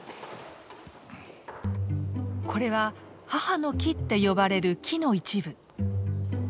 これは母の木って呼ばれる木の一部。